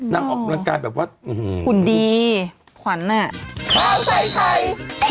นางออกกำลังกายแบบว่าหุ่นดีขวัญเนี้ย